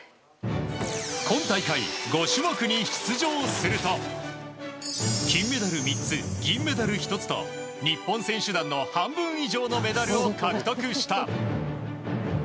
今大会、５種目に出場すると金メダル３つ、銀メダル１つと日本選手団の半分以上のメダルを獲得した。